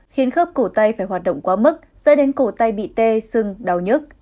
khiến khớp cổ tay phải hoạt động quá mức dẫn đến cổ tay bị tê xưng đau nhức